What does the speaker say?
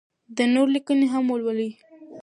د نورو لیکنې هم ولولئ.